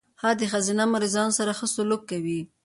هغه د ښځينه مريضانو سره ښه سلوک کوي.